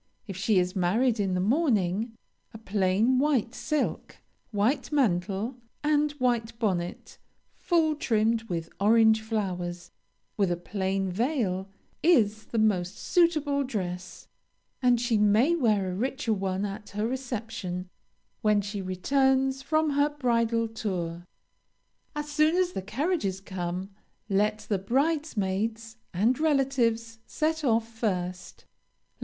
If she is married in the morning, a plain white silk, white mantle, and white bonnet, full trimmed with orange flowers, with a plain veil, is the most suitable dress, and she may wear a richer one at her reception, when she returns from her bridal tour. As soon as the carriages come, let the bridesmaids, and relatives set off first.